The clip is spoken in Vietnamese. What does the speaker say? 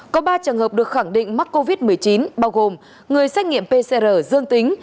có ba trường hợp được khẳng định mắc covid một mươi chín bao gồm người xét nghiệm pcr dương tính